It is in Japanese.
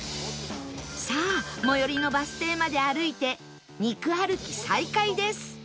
さあ最寄りのバス停まで歩いて肉歩き再開です